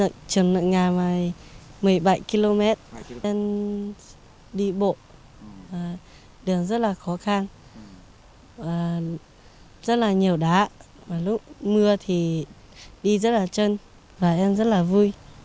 trường nậm nga một mươi bảy km em đi bộ đường rất là khó khăn rất là nhiều đá mưa thì đi rất là chân và em rất là vui